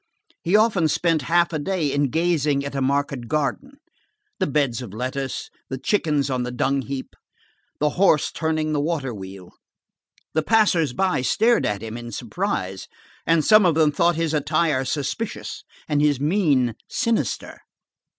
He often spent half a day in gazing at a market garden, the beds of lettuce, the chickens on the dung heap, the horse turning the water wheel. The passers by stared at him in surprise, and some of them thought his attire suspicious and his mien sinister.